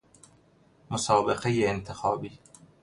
مسابقه انتخابی